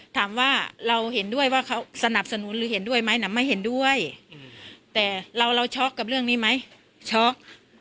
ถามว่าเราเห็นด้วยว่าเขาสนับสนุนหรือเห็นด้วยไหมไม่เห็นด้วยแต่เราช็อกกับเรื่องนี้ไหมช็อก